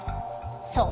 そう。